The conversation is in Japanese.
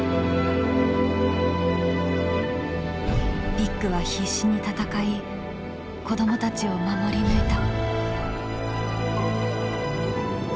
ビッグは必死に戦い子どもたちを守り抜いた。